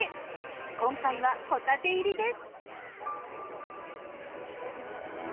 今回はホタテ入りです。